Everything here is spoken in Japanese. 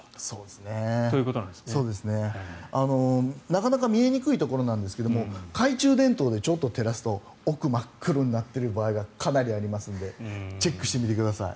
なかなか見えにくいところなんですが懐中電灯でちょっと照らすと奥が真っ黒になっている場合がかなりありますのでチェックしてみてください。